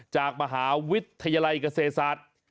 จากมหาวิทยาลัยเกษตรศาสตร์